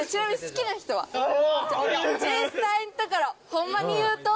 ホンマに言うと？